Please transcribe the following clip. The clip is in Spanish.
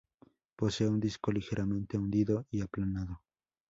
Posee un disco ligeramente hundido y aplanado.